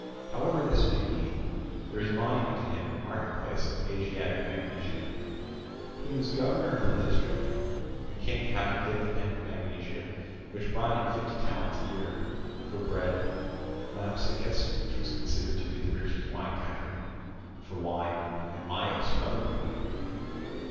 However this may be, there is a monument to him in the marketplace of Asiatic Magnesia. He was governor of the district, the King having given him Magnesia, which brought in fifty talents a year, for bread, Lampsacus, which was considered to be the richest wine country, for wine, and Myos for other provisions.